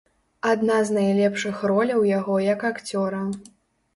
Адна з найлепшых роляў яго як акцёра.